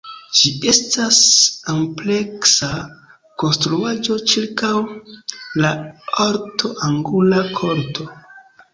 Ĝi estas ampleksa konstruaĵo ĉirkaŭ la ort-angula korto.